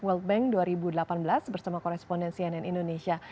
world bank dua ribu delapan belas bersama koresponden cnn indonesia